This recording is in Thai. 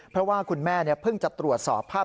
เพราะว่าคุณแม่เพิ่งจะตรวจสอบภาพ